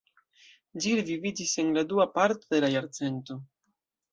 Ĝi reviviĝis en la dua parto de la jarcento.